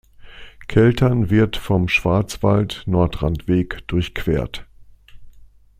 Keltern wird vom Schwarzwald-Nordrandweg durchquert.